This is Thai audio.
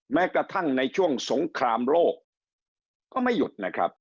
แม้กระทั่งในช่วงสงครามโลกก็ไม่หยุดนะครับ